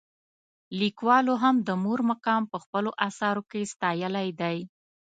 لیکوالو هم د مور مقام په خپلو اثارو کې ستایلی دی.